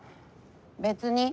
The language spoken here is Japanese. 別に。